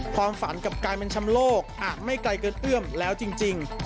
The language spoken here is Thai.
ความฝันกับการเป็นชำโลกอาจไม่ไกลเกินเอื้อมแล้วจริง